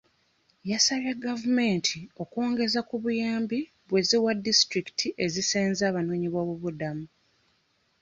Yasabye gavumenti okwongeza ku buyambi bw'eziweebwa disitulikiti ezisenza abanoonyiboobubudamu.